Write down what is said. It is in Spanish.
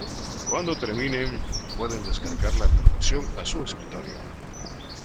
Cuando terminen, pueden descargar la traducción a su escritorio.